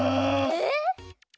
えっ？